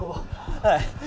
はい。